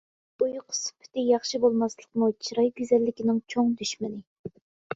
ئۇيقۇ سۈپىتى ياخشى بولماسلىقمۇ چىراي گۈزەللىكىنىڭ چوڭ دۈشمىنى.